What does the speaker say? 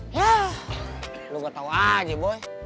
yah lo gak tau aja boy